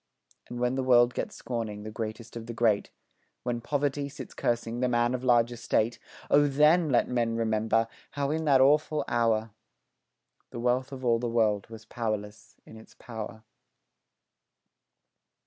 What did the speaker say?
And when the world gets scorning the greatest of the great, When poverty sits cursing the man of large estate, O then let men remember, how, in that awful hour, The wealth of all the world was powerless in its power.